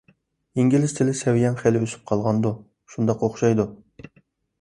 _ ئىنگلىز تىلى سەۋىيەڭ خېلى ئۆسۈپ قالغاندۇ؟ _ شۇنداق ئوخشايدۇ.